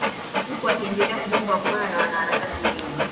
huku akiendelea kuungwa mkono na wanaharakati wengi